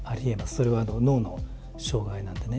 それは脳の障害なんでね。